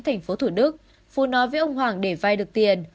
thành phố thủ đức phú nói với ông hoàng để vay được tiền